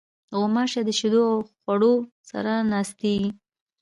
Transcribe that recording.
غوماشې د شیدو او خوړو سره ناستېږي.